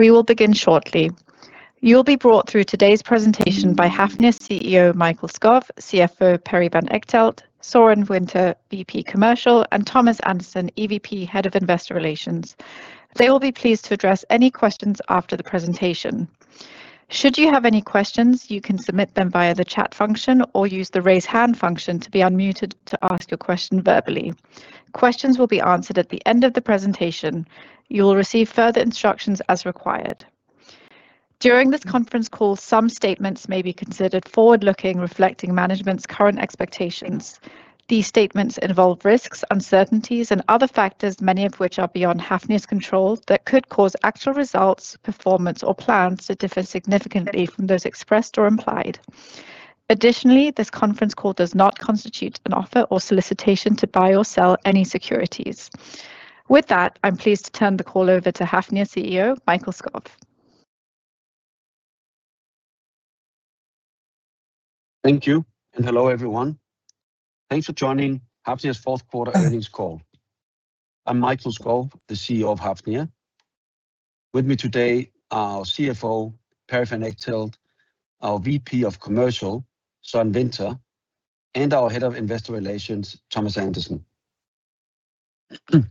We will begin shortly. You'll be brought through today's presentation by Hafnia Chief Executive Officer, Mikael Skov, Chief Financial Officer, Perry van Echtelt, Søren Winther, Vice President Commercial, and Thomas Andersen, EVP, Head of Investor Relations. They will be pleased to address any questions after the presentation. Should you have any questions, you can submit them via the chat function or use the raise hand function to be unmuted to ask your question verbally. Questions will be answered at the end of the presentation. You will receive further instructions as required. During this conference call, some statements may be considered forward-looking, reflecting management's current expectations. These statements involve risks, uncertainties, and other factors, many of which are beyond Hafnia's control, that could cause actual results, performance, or plans to differ significantly from those expressed or implied. This conference call does not constitute an offer or solicitation to buy or sell any securities. With that, I'm pleased to turn the call over to Hafnia Chief Executive Officer, Mikael Skov. Thank you, hello, everyone. Thanks for joining Hafnia's Q4 earnings call. I'm Mikael Skov, the Chief Executive Officer of Hafnia. With me today, our Chief Financial Officer, Perry van Echtelt, our VP of Commercial, Søren Skibdal Winther, and our Head of Investor Relations, Thomas Andersen.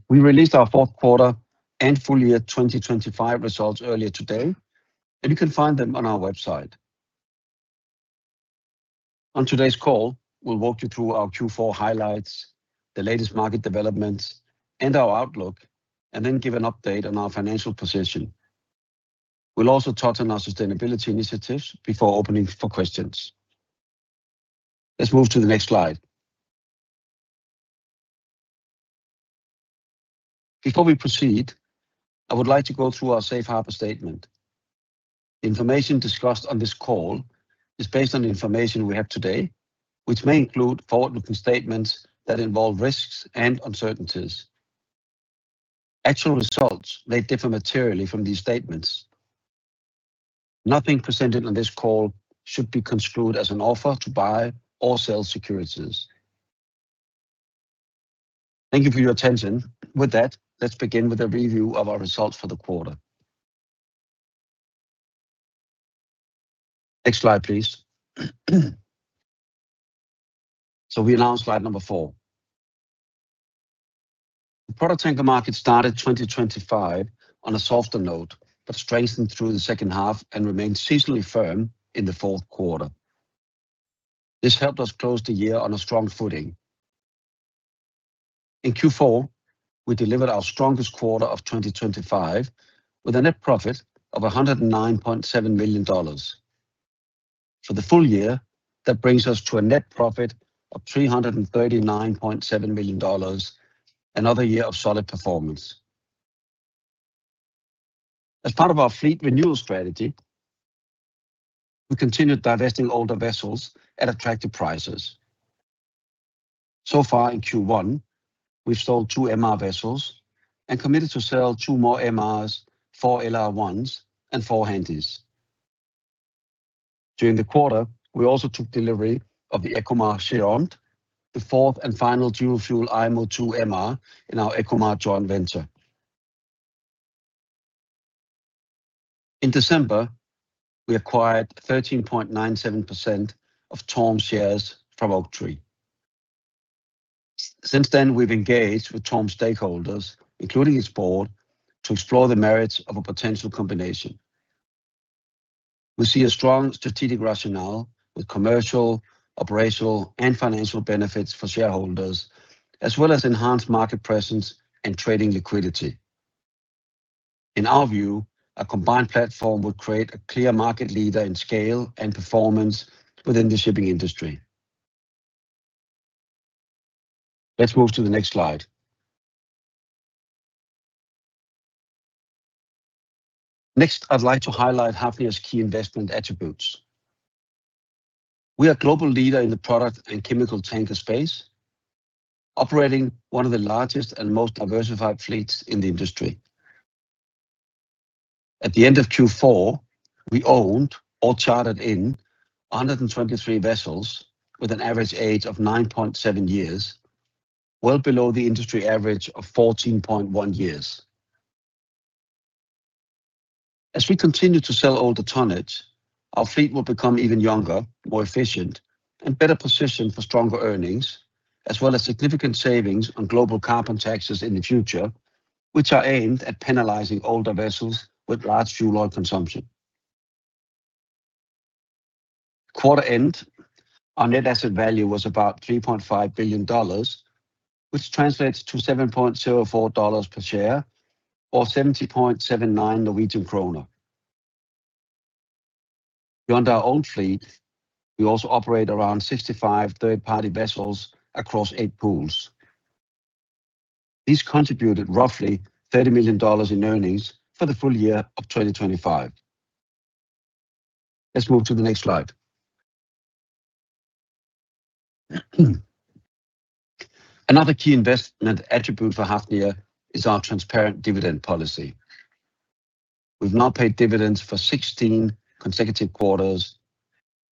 We released our Q4 and full year 2025 results earlier today, and you can find them on our website. On today's call, we'll walk you through our Q4 highlights, the latest market developments, and our outlook, and then give an update on our financial position. We'll also touch on our sustainability initiatives before opening for questions. Let's move to the next slide. Before we proceed, I would like to go through our safe harbor statement. Information discussed on this call is based on the information we have today, which may include forward-looking statements that involve risks and uncertainties. Actual results may differ materially from these statements. Nothing presented on this call should be construed as an offer to buy or sell securities. Thank you for your attention. Let's begin with a review of our results for the quarter. Next slide, please. We are now on slide 4. The product tanker market started 2025 on a softer note, but strengthened through the second half and remained seasonally firm in the Q4. This helped us close the year on a strong footing. In Q4, we delivered our strongest quarter of 2025, with a net profit of $109.7 million. For the full year, that brings us to a net profit of $339.7 million, another year of solid performance. As part of our fleet renewal strategy, we continued divesting older vessels at attractive prices. Far in Q1, we've sold two MR vessels and committed to sell two more MRs, four LR1s, and four Handys. During the quarter, we also took delivery of the Ecomar Gironde, the fourth and final dual-fuel IMO II MR in our Ecomar joint venture. In December, we acquired 13.97% of TORM's shares from Oaktree. Since then, we've engaged with TORM stakeholders, including its board, to explore the merits of a potential combination. We see a strong strategic rationale with commercial, operational, and financial benefits for shareholders, as well as enhanced market presence and trading liquidity. In our view, a combined platform would create a clear market leader in scale and performance within the shipping industry. Let's move to the next slide. Next, I'd like to highlight Hafnia's key investment attributes. We are a global leader in the product and chemical tanker space, operating one of the largest and most diversified fleets in the industry. At the end of Q4, we owned or chartered in 123 vessels with an average age of 9.7 years, well below the industry average of 14.1 years. As we continue to sell older tonnage, our fleet will become even younger, more efficient, and better positioned for stronger earnings, as well as significant savings on global carbon taxes in the future, which are aimed at penalizing older vessels with large fuel oil consumption. Quarter end, our net asset value was about $3.5 billion, which translates to $7.04 per share or 70.79 Norwegian kroner. Beyond our own fleet, we also operate around 65 third-party vessels across eight pools. These contributed roughly $30 million in earnings for the full year of 2025. Let's move to the next slide. Another key investment attribute for Hafnia is our transparent dividend policy. We've now paid dividends for 16 consecutive quarters,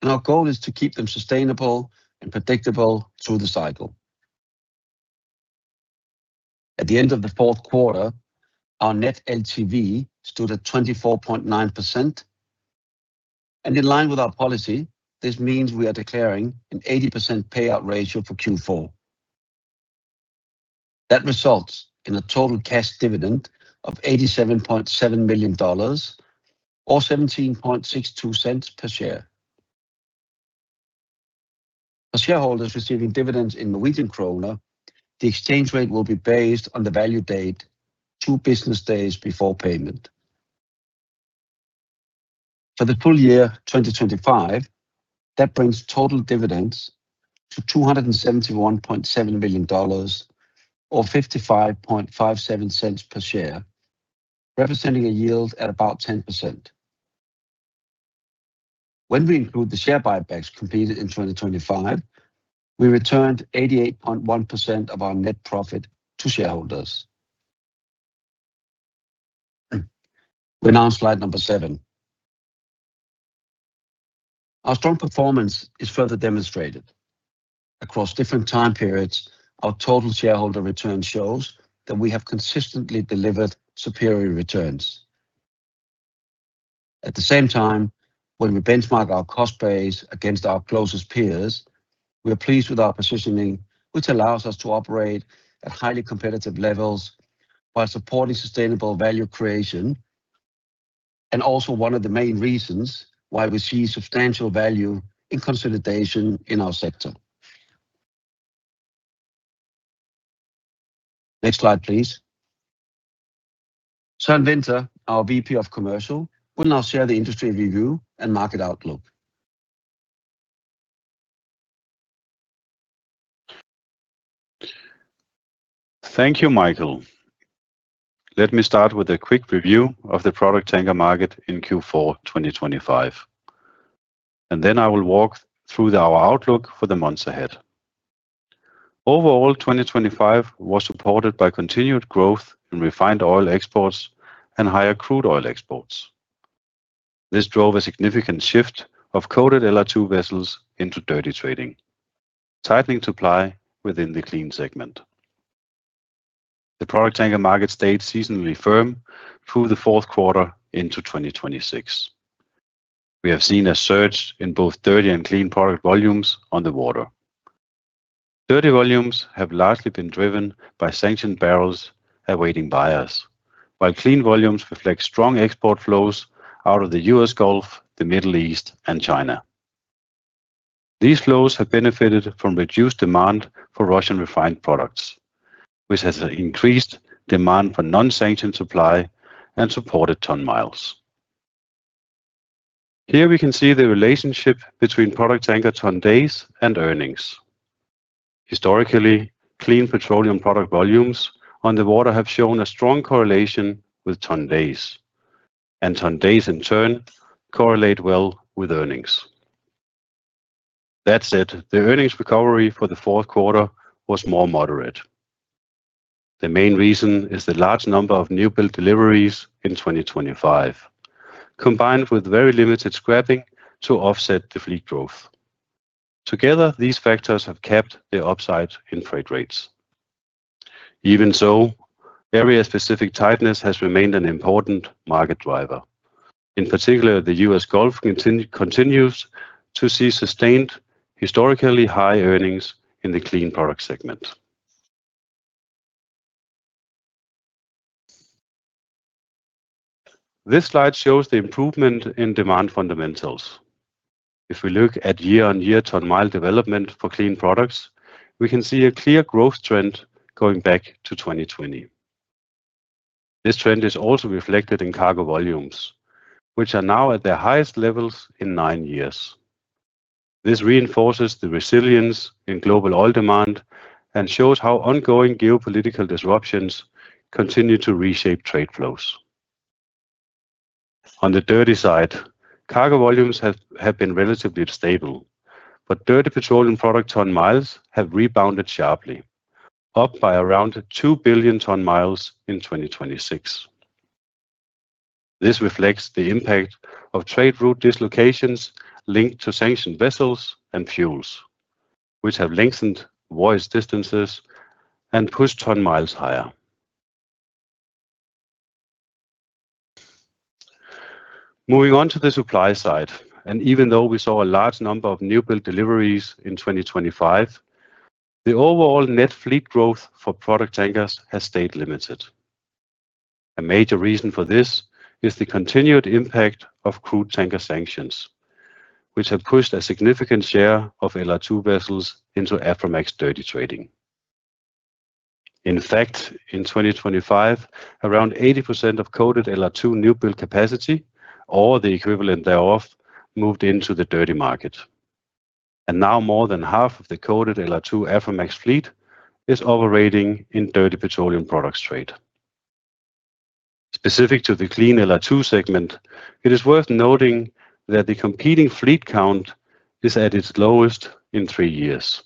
and our goal is to keep them sustainable and predictable through the cycle. At the end of the Q4, our net LTV stood at 24.9%. In line with our policy, this means we are declaring an 80% payout ratio for Q4. That results in a total cash dividend of $87.7 million, or $0.1762 per share. For shareholders receiving dividends in Norwegian kroner, the exchange rate will be based on the value date, 2 business days before payment. For the full year, 2025, that brings total dividends to $271.7 million, or $0.5557 per share, representing a yield at about 10%. When we include the share buybacks completed in 2025, we returned 88.1% of our net profit to shareholders. We're now on slide number seven. Our strong performance is further demonstrated. Across different time periods, our total shareholder return shows that we have consistently delivered superior returns. At the same time, when we benchmark our cost base against our closest peers, we are pleased with our positioning, which allows us to operate at highly competitive levels while supporting sustainable value creation, and also one of the main reasons why we see substantial value in consolidation in our sector. Next slide, please. Søren Winther, our VP of Commercial, will now share the industry review and market outlook. Thank you, Mikael. Let me start with a quick review of the product tanker market in Q4, 2025, and then I will walk through our outlook for the months ahead. Overall, 2025 was supported by continued growth in refined oil exports and higher crude oil exports. This drove a significant shift of coated LR2 vessels into dirty trading, tightening supply within the clean segment. The product tanker market stayed seasonally firm through the Q4 into 2026. We have seen a surge in both dirty and clean product volumes on the water. Dirty volumes have largely been driven by sanctioned barrels awaiting buyers, while clean volumes reflect strong export flows out of the U.S. Gulf, the Middle East, and China. These flows have benefited from reduced demand for Russian refined products, which has increased demand for non-sanctioned supply and supported ton-miles. Here we can see the relationship between product tanker ton-days and earnings. Historically, clean petroleum product volumes on the water have shown a strong correlation with ton-days, and ton-days, in turn, correlate well with earnings. That said, the earnings recovery for the Q4 was more moderate. The main reason is the large number of newbuild deliveries in 2025, combined with very limited scrapping to offset the fleet growth. Together, these factors have kept the upside in freight rates. Even so, area-specific tightness has remained an important market driver. In particular, the U.S. Gulf continues to see sustained, historically high earnings in the clean product segment. This slide shows the improvement in demand fundamentals. If we look at year-on-year ton-mile development for clean products, we can see a clear growth trend going back to 2020. This trend is also reflected in cargo volumes, which are now at their highest levels in nine years. This reinforces the resilience in global oil demand and shows how ongoing geopolitical disruptions continue to reshape trade flows. On the dirty side, cargo volumes have been relatively stable, but dirty petroleum product ton miles have rebounded sharply, up by around 2 billion ton miles in 2026. This reflects the impact of trade route dislocations linked to sanctioned vessels and fuels, which have lengthened voyage distances and pushed ton miles higher. Even though we saw a large number of newbuild deliveries in 2025, the overall net fleet growth for product tankers has stayed limited. A major reason for this is the continued impact of crude tanker sanctions, which have pushed a significant share of LR2 vessels into Aframax dirty trading. In fact, in 2025, around 80% of coated LR2 newbuild capacity, or the equivalent thereof, moved into the dirty market. Now more than half of the coated LR2 Aframax fleet is operating in dirty petroleum products trade. Specific to the clean LR2 segment, it is worth noting that the competing fleet count is at its lowest in three years.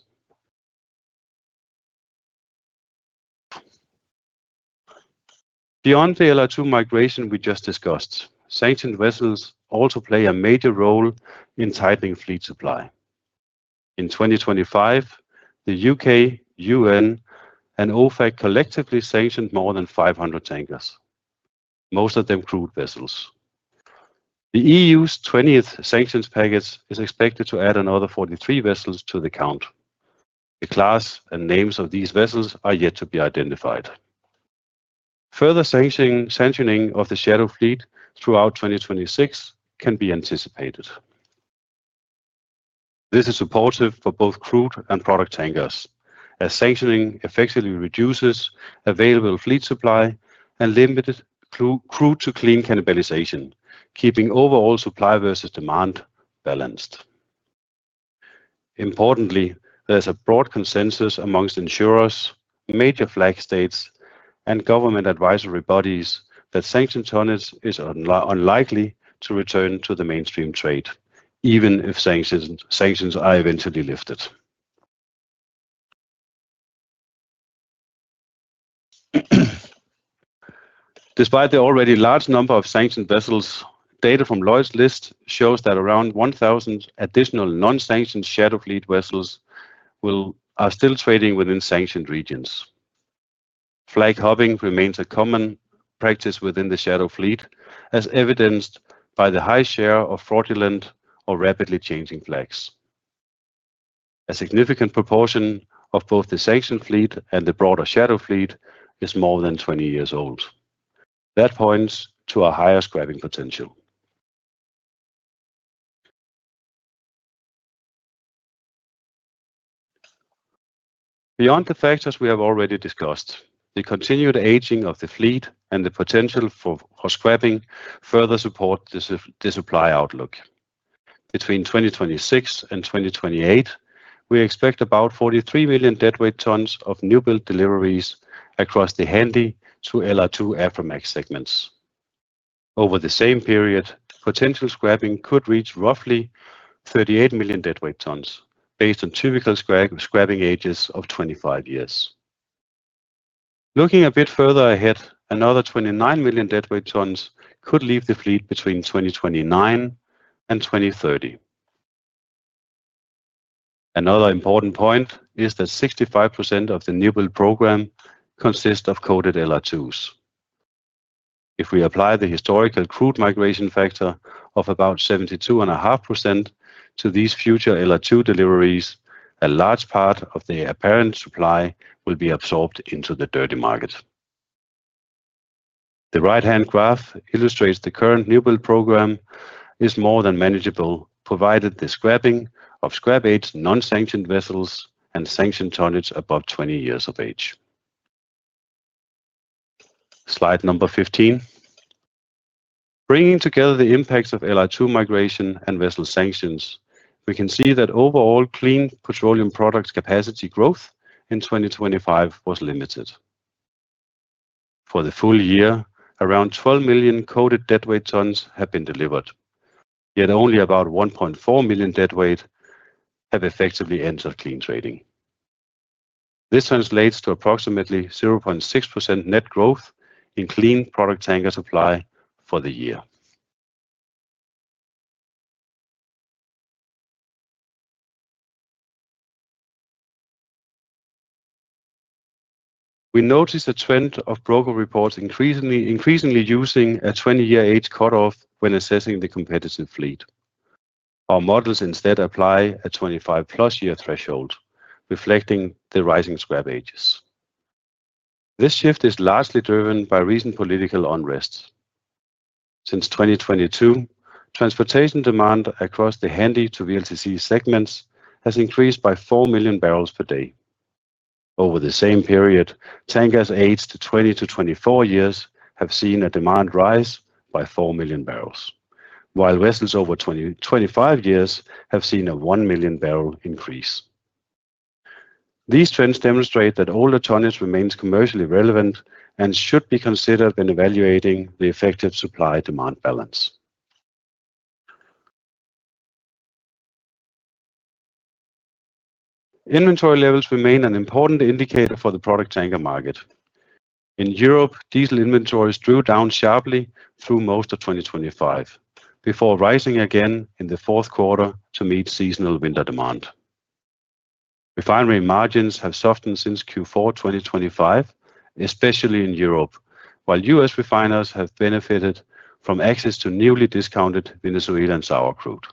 Beyond the LR2 migration we just discussed, sanctioned vessels also play a major role in tightening fleet supply. In 2025, the U.K., U.N., and OFAC collectively sanctioned more than 500 tankers, most of them crude vessels. The E.U.'s 20th sanctions package is expected to add another 43 vessels to the count. The class and names of these vessels are yet to be identified. Further sanctioning of the shadow fleet throughout 2026 can be anticipated. This is supportive for both crude and product tankers, as sanctioning effectively reduces available fleet supply and limited crude to clean cannibalization, keeping overall supply versus demand balanced. Importantly, there's a broad consensus amongst insurers, major flag states, and government advisory bodies that sanctioned tonnage is unlikely to return to the mainstream trade, even if sanctions are eventually lifted. Despite the already large number of sanctioned vessels, data from Lloyd's List shows that around 1,000 additional non-sanctioned shadow fleet vessels are still trading within sanctioned regions. Flag hopping remains a common practice within the shadow fleet, as evidenced by the high share of fraudulent or rapidly changing flags. A significant proportion of both the sanctioned fleet and the broader shadow fleet is more than 20 years old. Points to a higher scrapping potential. Beyond the factors we have already discussed, the continued aging of the fleet and the potential for scrapping further support the supply outlook. Between 2026 and 2028, we expect about 43 million DWT of newbuild deliveries across the Handy to LR2 Aframax segments. Over the same period, potential scrapping could reach roughly 38 million DWT, based on typical scrapping ages of 25 years. Looking a bit further ahead, another 29 million DWT could leave the fleet between 2029 and 2030. Another important point is that 65% of the newbuild program consists of coded LR2s. If we apply the historical crude migration factor of about 72.5% to these future LR2 deliveries, a large part of the apparent supply will be absorbed into the dirty market. The right-hand graph illustrates the current newbuild program is more than manageable, provided the scrapping of scrap age non-sanctioned vessels and sanctioned tonnage above 20 years of age. Slide number 15. Bringing together the impacts of LR2 migration and vessel sanctions, we can see that overall clean petroleum products capacity growth in 2025 was limited. For the full year, around 12 million DWT have been delivered, yet only about 1.4 million deadweight have effectively entered clean trading. This translates to approximately 0.6% net growth in clean product tanker supply for the year. We noticed a trend of broker reports increasingly using a 20-year age cutoff when assessing the competitive fleet. Our models instead apply a 25+ year threshold, reflecting the rising scrap ages. This shift is largely driven by recent political unrest. Since 2022, transportation demand across the Handy to VLCC segments has increased by 4 MMbpd. Over the same period, tankers aged 20-24 years have seen a demand rise by 4 million barrels, while vessels over 25 years have seen a 1 million bbl increase. These trends demonstrate that older tonnage remains commercially relevant and should be considered when evaluating the effective supply-demand balance. Inventory levels remain an important indicator for the product tanker market. In Europe, diesel inventories drew down sharply through most of 2025, before rising again in the Q4 to meet seasonal winter demand. Refinery margins have softened since Q4 2025, especially in Europe, while U.S. refiners have benefited from access to newly discounted Venezuelan sour crude.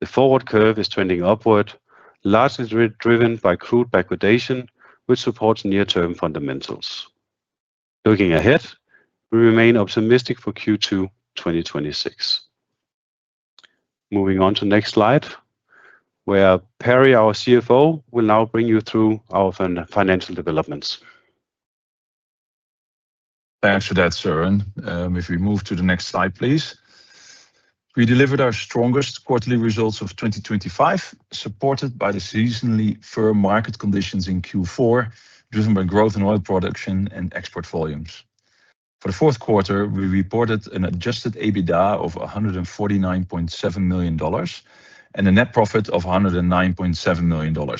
The forward curve is trending upward, largely driven by crude backwardation, which supports near-term fundamentals. Looking ahead, we remain optimistic for Q2 2026. Moving on to the next slide, where Perry, our Chief Financial Officer, will now bring you through our financial developments. Thanks for that, Søren. If we move to the next slide, please. We delivered our strongest quarterly results of 2025, supported by the seasonally firm market conditions in Q4, driven by growth in oil production and export volumes. For the Q4, we reported an adjusted EBITDA of $149.7 million and a net profit of $109.7 million,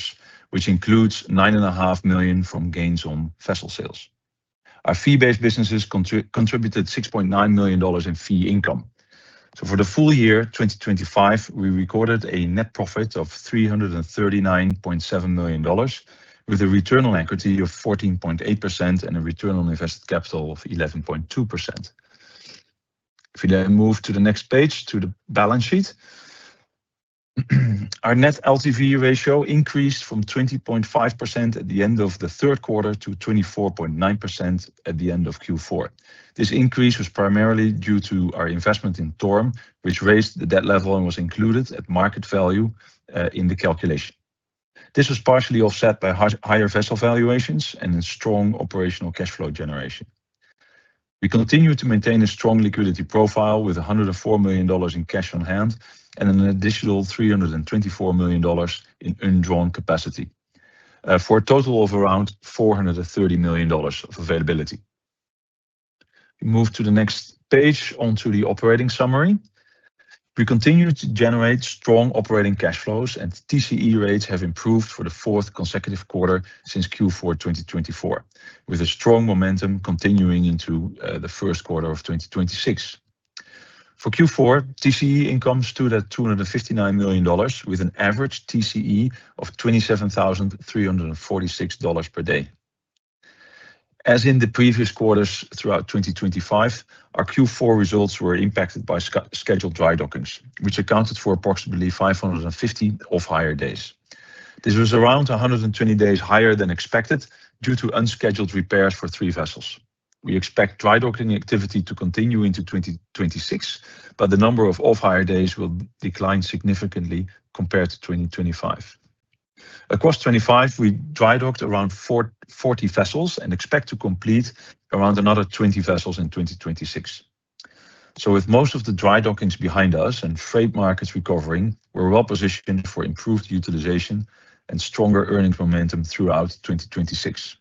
which includes $9.5 million from gains on vessel sales. Our fee-based businesses contributed $6.9 million in fee income. For the full year, 2025, we recorded a net profit of $339.7 million, with a return on equity of 14.8% and a return on invested capital of 11.2%. If you then move to the next page, to the balance sheet. Our net LTV ratio increased from 20.5% at the end of the Q3 to 24.9% at the end of Q4. This increase was primarily due to our investment in TORM, which raised the debt level and was included at market value in the calculation. This was partially offset by higher vessel valuations and a strong operational cash flow generation. We continue to maintain a strong liquidity profile, with $104 million in cash on hand and an additional $324 million in undrawn capacity, for a total of around $430 million of availability. We move to the next page, onto the operating summary. We continue to generate strong operating cash flows, and TCE rates have improved for the fourth consecutive quarter since Q4 2024, with a strong momentum continuing into the Q1 of 2026. For Q4, TCE income stood at $259 million, with an average TCE of $27,346 per day. As in the previous quarters throughout 2025, our Q4 results were impacted by scheduled dry docking, which accounted for approximately 550 off-hire days. This was around 120 days higher than expected due to unscheduled repairs for three vessels. We expect dry docking activity to continue into 2026, but the number of off-hire days will decline significantly compared to 2025. Across 2025, we dry docked around 40 vessels and expect to complete around another 20 vessels in 2026. With most of the dry docking behind us and freight markets recovering, we're well-positioned for improved utilization and stronger earnings momentum throughout 2026.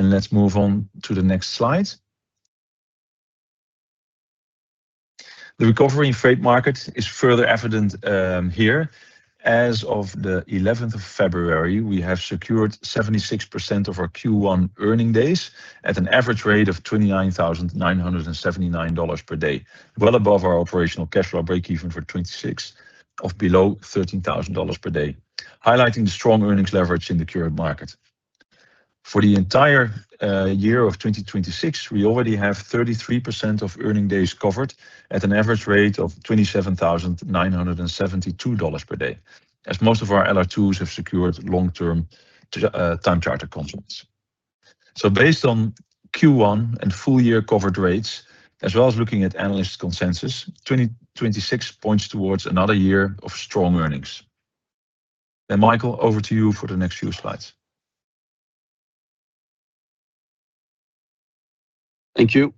Let's move on to the next slide. The recovery in freight markets is further evident here. As of the February 11th, we have secured 76% of our Q1 earning days at an average rate of $29,979 per day, well above our operational cash flow breakeven for 2026 of below $13,000 per day, highlighting the strong earnings leverage in the current market. For the entire year of 2026, we already have 33% of earning days covered at an average rate of $27,972 per day, as most of our LR2s have secured long-term time charter contracts. Based on Q1 and full year covered rates, as well as looking at analyst consensus, 2026 points towards another year of strong earnings. Mikael, over to you for the next few slides. Thank you.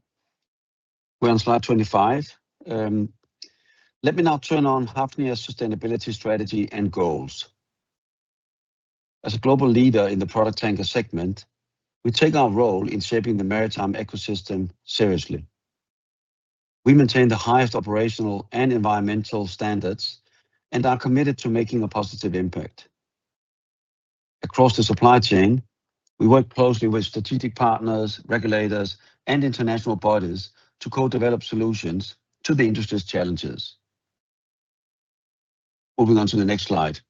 We're on slide 25. Let me now turn on Hafnia's sustainability strategy and goals. As a global leader in the product tanker segment, we take our role in shaping the maritime ecosystem seriously. We maintain the highest operational and environmental standards and are committed to making a positive impact. Across the supply chain, we work closely with strategic partners, regulators, and international bodies to co-develop solutions to the industry's challenges. Moving on to the next slide.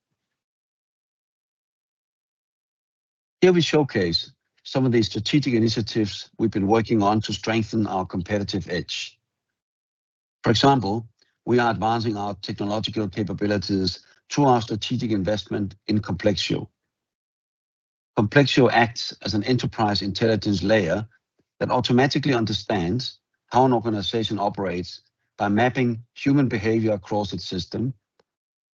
Here we showcase some of the strategic initiatives we've been working on to strengthen our competitive edge. For example, we are advancing our technological capabilities through our strategic investment in Complexio. Complexio acts as an enterprise intelligence layer that automatically understands how an organization operates by mapping human behavior across its system,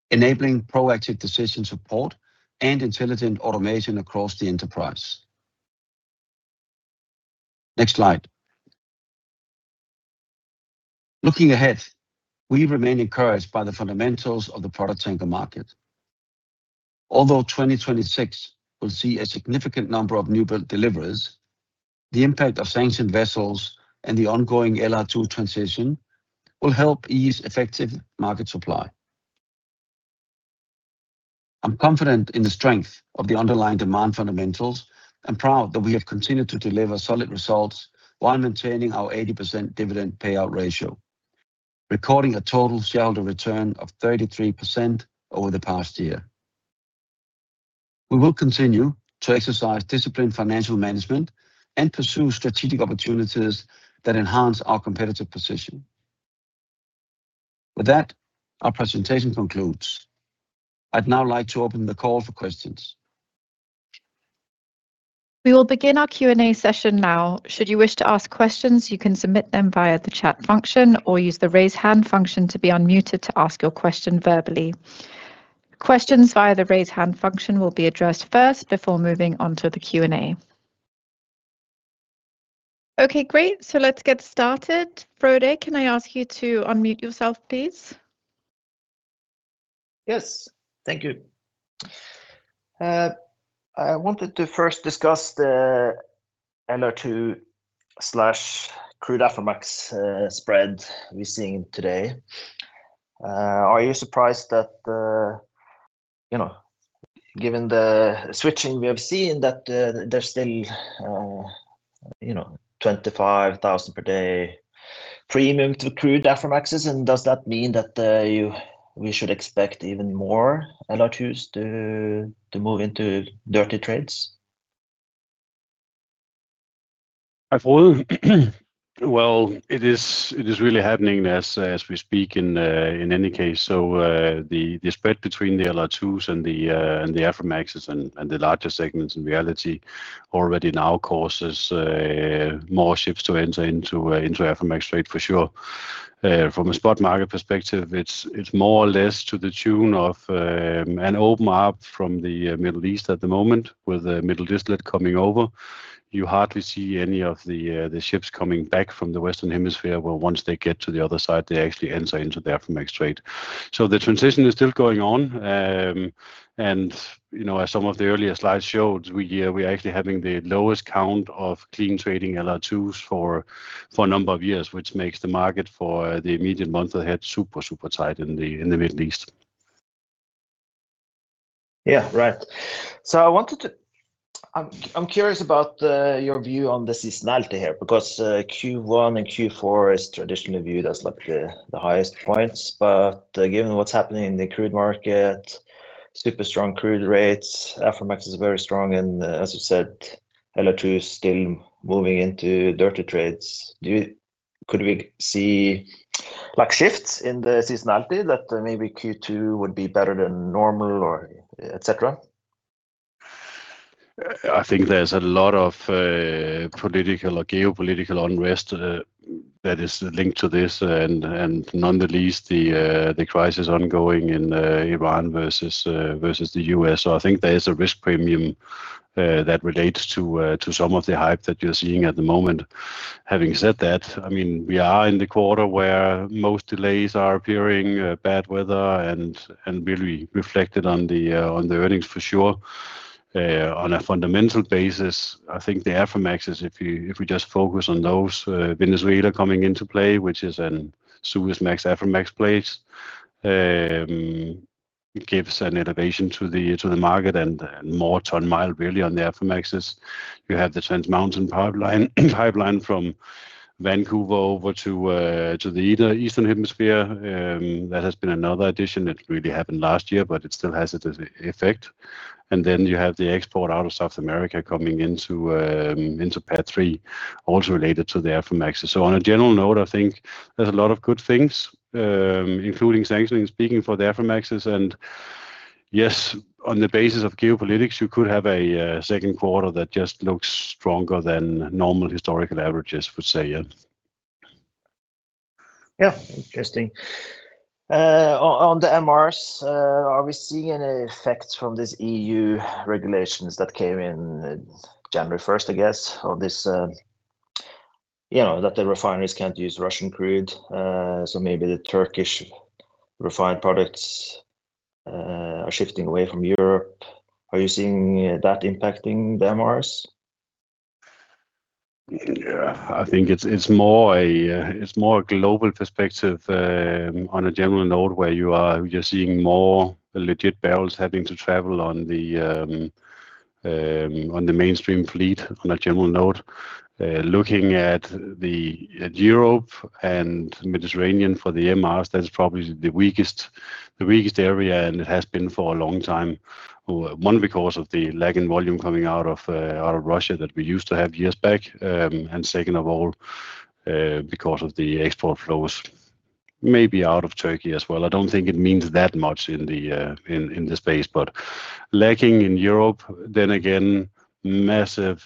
enabling proactive decision support and intelligent automation across the enterprise. Next slide. Looking ahead, we remain encouraged by the fundamentals of the product tanker market. Although 2026 will see a significant number of newbuild deliveries, the impact of sanctioned vessels and the ongoing LR2 transition will help ease effective market supply. I'm confident in the strength of the underlying demand fundamentals and proud that we have continued to deliver solid results while maintaining our 80% dividend payout ratio, recording a total shareholder return of 33% over the past year. We will continue to exercise disciplined financial management and pursue strategic opportunities that enhance our competitive position. With that, our presentation concludes. I'd now like to open the call for questions. We will begin our Q&A session now. Should you wish to ask questions, you can submit them via the chat function or use the raise hand function to be unmuted to ask your question verbally. Questions via the raise hand function will be addressed first before moving on to the Q&A. Okay, great. Let's get started. Frode, can I ask you to unmute yourself, please? Yes. Thank you. I wanted to first discuss the LR2/crude Aframax spread we're seeing today. Are you surprised that? You know, given the switching we have seen that, there's still, you know, $25,000 per day premium to crude Aframaxes, and does that mean that, we should expect even more LR2s to move into dirty trades? I thought, well, it is, it is really happening as we speak in any case. The spread between the LR2s and the Aframaxes and the larger segments in reality already now causes more ships to enter into Aframax trade, for sure. From a spot market perspective, it's more or less to the tune of an open up from the Middle East at the moment, with the Middle Distillate coming over. You hardly see any of the ships coming back from the Western Hemisphere, where once they get to the other side, they actually enter into the Aframax trade. The transition is still going on. You know, as some of the earlier slides showed, we're actually having the lowest count of clean trading LR2s for a number of years, which makes the market for the immediate months ahead super tight in the Middle East. Yeah. Right. I'm curious about your view on the seasonality here, because Q1 and Q4 is traditionally viewed as the highest points. Given what's happening in the crude market, super strong crude rates, Aframax is very strong, and as you said, LR2 is still moving into dirty trades. Could we see shifts in the seasonality, that maybe Q2 would be better than normal or et cetera? I think there's a lot of political or geopolitical unrest that is linked to this, and nonetheless, the crisis ongoing in Iran versus the U.S. I think there is a risk premium that relates to some of the hype that you're seeing at the moment. Having said that, I mean, we are in the quarter where most delays are appearing, bad weather and really reflected on the earnings, for sure. On a fundamental basis, I think the Aframaxes, if we just focus on those, Venezuela coming into play, which is an Suezmax, Aframax place, gives an elevation to the market and more ton-mile really on the Aframaxes. You have the Trans Mountain pipeline from Vancouver over to the Eastern Hemisphere. That has been another addition that really happened last year, but it still has its effect. You have the export out of South America coming into Part Three, also related to the Aframax. On a general note, I think there's a lot of good things, including sanctioning, speaking for the Aframaxes, yes, on the basis of geopolitics, you could have a Q2 that just looks stronger than normal historical averages would say, yeah. Yeah. Interesting. On the MRs, are we seeing an effect from this E.U. regulations that came in January 1st, I guess, or this, you know, that the refineries can't use Russian crude? Maybe the Turkish refined products are shifting away from Europe. Are you seeing that impacting the MRs? I think it's more a global perspective on a general note, where you're seeing more legit barrels having to travel on the mainstream fleet, on a general note. Looking at Europe and Mediterranean for the MRs, that is probably the weakest area, and it has been for a long time. One, because of the lag in volume coming out of Russia that we used to have years back. Second of all, because of the export flows, maybe out of Turkey as well. I don't think it means that much in the space, but lacking in Europe, then again, massive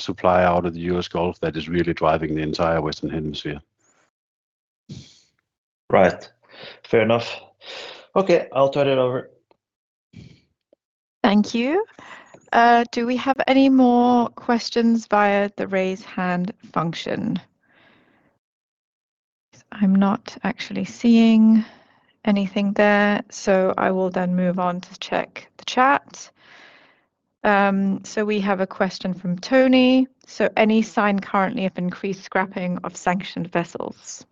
supply out of the U.S. Gulf that is really driving the entire Western Hemisphere. Right. Fair enough. Okay, I'll turn it over. Thank you. Do we have any more questions via the raise hand function? I'm not actually seeing anything there. I will then move on to check the chat. We have a question from Tony. "Any sign currently of increased scrapping of sanctioned vessels?"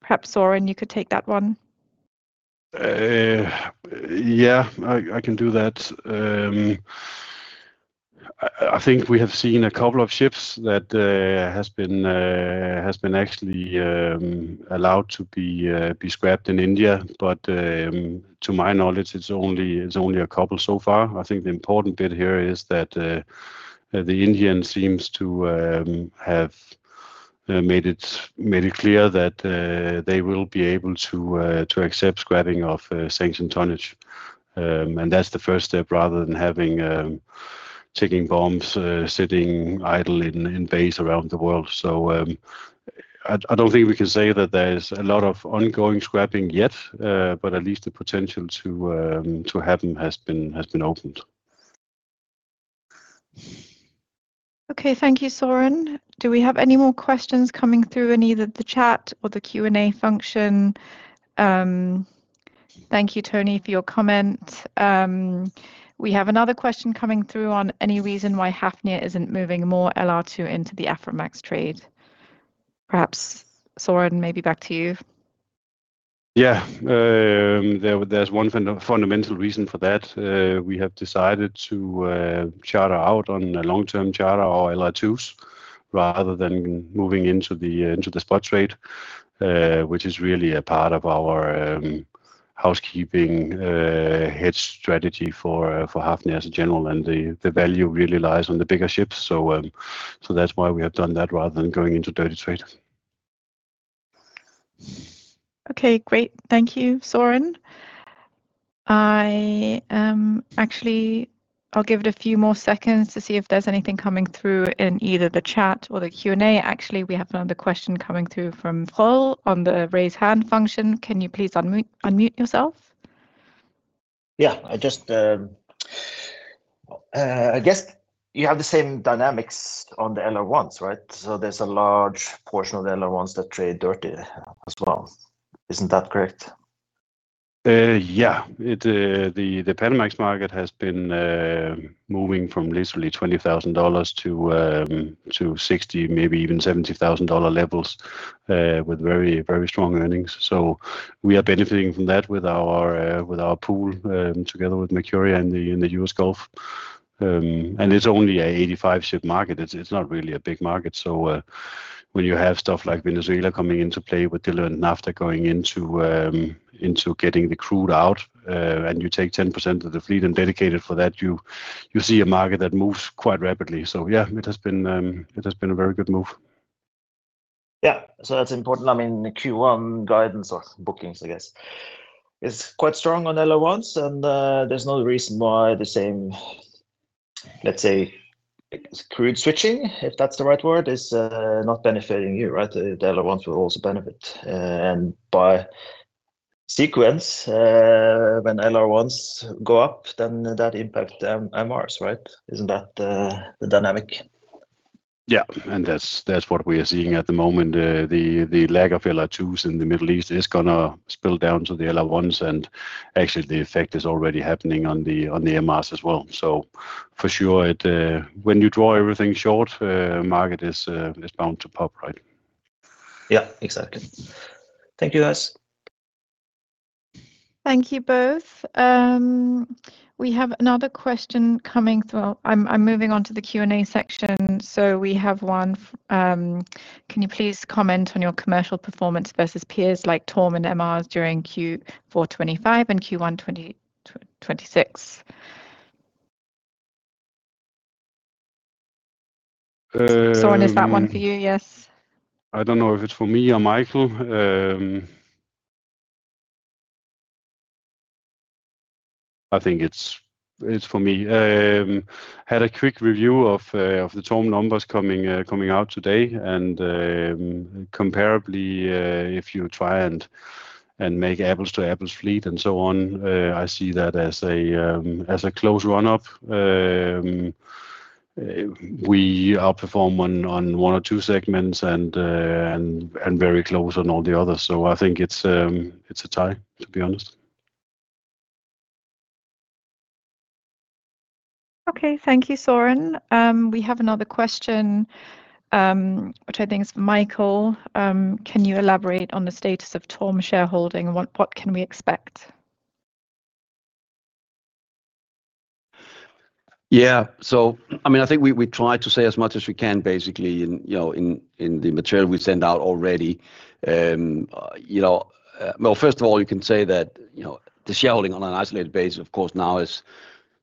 Perhaps, Søren, you could take that one. Yeah, I can do that. I think we have seen a couple of ships that has been actually allowed to be scrapped in India, but to my knowledge, it's only a couple so far. I think the important bit here is that the Indians seems to have made it clear that they will be able to accept scrapping off sanctioned tonnage. That's the first step, rather than having ticking bombs sitting idle in bays around the world. I don't think we can say that there is a lot of ongoing scrapping yet, but at least the potential to happen has been opened. Okay. Thank you, Søren. Do we have any more questions coming through in either the chat or the Q&A function? Thank you, Tony, for your comment. We have another question coming through on any reason why Hafnia isn't moving more LR2 into the Aframax trade. Perhaps, Søren, maybe back to you. Yeah. There's one fundamental reason for that. We have decided to charter out on a long-term charter our LR2s rather than moving into the spot trade, which is really a part of our housekeeping hedge strategy for Hafnia as a general. The value really lies on the bigger ships. That's why we have done that, rather than going into dirty trade. Okay, great. Thank you, Søren. I actually, I'll give it a few more seconds to see if there's anything coming through in either the chat or the Q&A. Actually, we have another question coming through from Paul on the raise hand function. Can you please unmute yourself? Yeah. I just, I guess you have the same dynamics on the LR1s, right? There's a large portion of the LR1s that trade dirty as well. Isn't that correct? Yeah. It — the Panamax market has been moving from literally $20,000- $60,000, maybe even $70,000 levels, with very, very strong earnings. We are benefiting from that with our pool, together with Mercuria in the U.S. Gulf. It's only a 85-ship market. It's not really a big market. When you have stuff like Venezuela coming into play, with Diluent and Naphtha going into getting the crude out, and you take 10% of the fleet and dedicate it for that, you see a market that moves quite rapidly. Yeah, it has been a very good move. Yeah. That's important. I mean, the Q1 guidance or bookings, I guess, is quite strong on LR1s, and there's no reason why the same, let's say, crude switching, if that's the right word, is not benefiting you, right? The LR1s will also benefit. By sequence, when LR1s go up, then that impact the MRs, right? Isn't that the dynamic? Yeah, that's what we are seeing at the moment. The lack of LR2s in the Middle East is gonna spill down to the LR1s, and actually, the effect is already happening on the MRs as well. For sure, it, when you draw everything short, market is bound to pop, right? Yeah, exactly. Thank you, guys. Thank you both. We have another question coming through. I'm moving on to the Q&A section. We have one. Can you please comment on your commercial performance versus peers like TORM and MRs during Q4 2025 and Q1 2026? Uh- Søren, is that one for you, yes? I don't know if it's for me or Mikael. I think it's for me. Had a quick review of the TORM numbers coming out today, and comparably, if you try and make apples to apples fleet and so on, I see that as a close run up. We outperform on one or two segments and very close on all the others. I think it's a tie, to be honest. Okay. Thank you, Søren. We have another question, which I think is for Mikael. Can you elaborate on the status of TORM shareholding, what can we expect? Yeah. I mean, I think we tried to say as much as we can, basically, in, you know, in the material we sent out already. You know, well, first of all, you can say that, you know, the shareholding on an isolated basis, of course, now has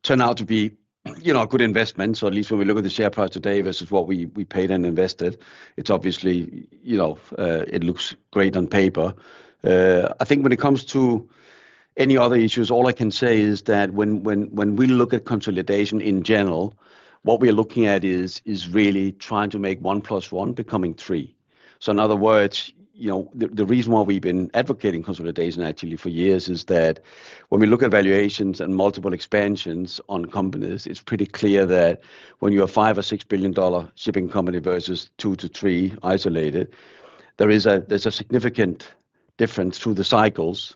turned out to be, you know, a good investment. At least when we look at the share price today versus what we paid and invested, it's obviously, you know, it looks great on paper. I think when it comes to any other issues, all I can say is that when we look at consolidation in general, what we're looking at is really trying to make 1 + 1 becoming three. In other words, you know, the reason why we've been advocating consolidation actually for years is that when we look at valuations and multiple expansions on companies, it's pretty clear that when you're a $5 billion-$6 billion shipping company versus$2 billion-$3 billion isolated, there's a significant difference through the cycles,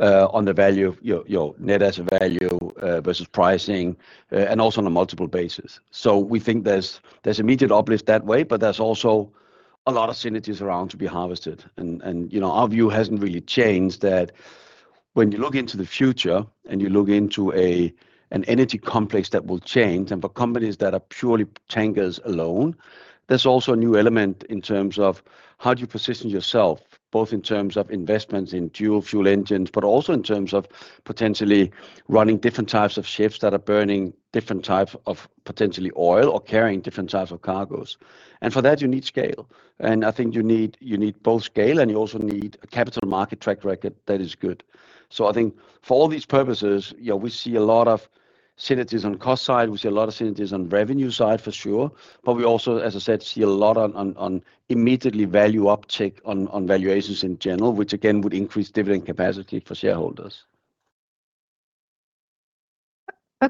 on the value of your net asset value versus pricing, and also on a multiple basis. We think there's immediate uplift that way, but there's also a lot of synergies around to be harvested. You know, our view hasn't really changed that when you look into the future and you look into an energy complex that will change, and for companies that are purely tankers alone, there's also a new element in terms of how do you position yourself, both in terms of investments in dual fuel engines, but also in terms of potentially running different types of ships that are burning different types of potentially oil or carrying different types of cargoes. For that, you need scale. I think you need both scale, and you also need a capital market track record that is good. I think for all these purposes, yeah, we see a lot of synergies on cost side, we see a lot of synergies on revenue side for sure, but we also, as I said, see a lot on immediately value uptick on valuations in general, which again, would increase dividend capacity for shareholders.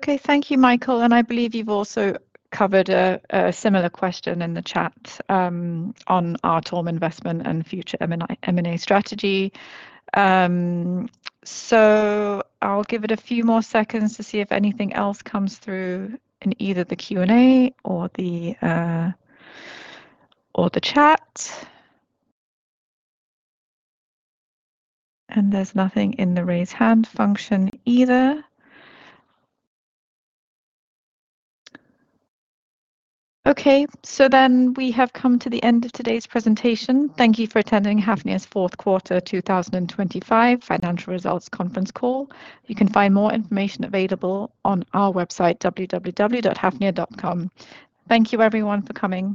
Thank you, Mikael, I believe you've also covered a similar question in the chat on our TORM investment and future M&A strategy. I'll give it a few more seconds to see if anything else comes through in either the Q&A or the chat. There's nothing in the raise hand function either. Okay, we have come to the end of today's presentation. Thank you for attending Hafnia's Q4 2025 financial results conference call. You can find more information available on our website, www.hafnia.com. Thank you, everyone, for coming.